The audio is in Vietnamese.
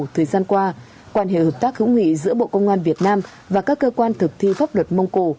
thời gian qua quan hệ hợp tác hữu nghị giữa bộ công an việt nam và các cơ quan thực thi pháp luật mông cổ